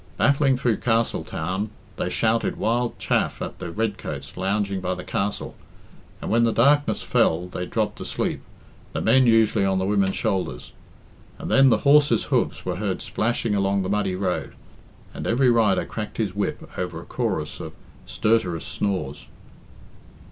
Battling through Castletown, they shouted wild chaff at the redcoats lounging by the Castle, and when the darkness fell they dropped asleep the men usually on the women's shoulders; and then the horses' hoofs were heard splashing along the muddy road, and every rider cracked his whip over a chorus of stertorous snores.